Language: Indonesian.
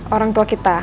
orang tua kita